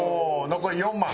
残り４万。